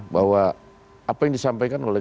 bahwa apa yang disampaikan oleh